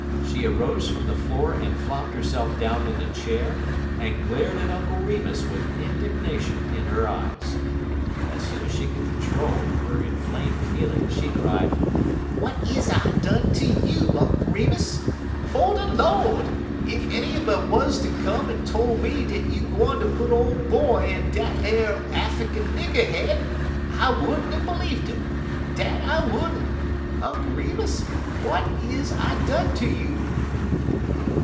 She arose from the floor and flopped herself down in a chair, and glared at Uncle Remus with indignation in her eyes. As soon as she could control her inflamed feelings, she cried: "Wat is I done ter you, Unk' Remus? 'Fo' de Lord, ef anybody wuz ter come en tole me dat you gwine ter put de Ole Boy in dat ole Affikin nigger head, I would n't er b'leeved um dat I would n't. Unk' Remus, w'at is I done ter you?"